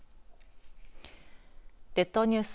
列島ニュース